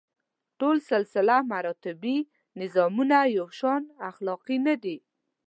ټول سلسله مراتبي نظامونه یو شان اخلاقي نه دي.